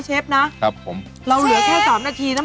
เชฟบอกขอข้างชั้นเกลี่ยของฉันอะ